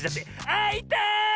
あいたい！